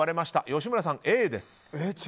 吉村さん、Ａです。